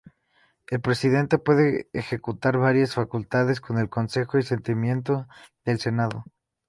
El presidente puede ejecutar varias facultades con el consejo y sentimiento del Senado.